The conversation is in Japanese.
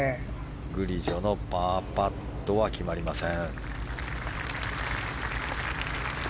グリジョのパーパットは決まりません。